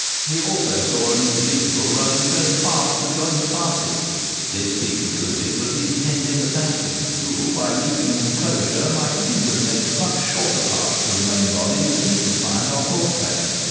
He also saw an individual running very fast to join the party; this he concluded was the intended assassin, who, by leaping an enclosure, might easily make a much shorter path to the main body than he could find on horseback.